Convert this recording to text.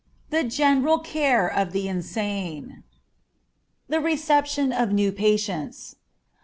THE GENERAL CARE OF THE INSANE. _The Reception of New Patients.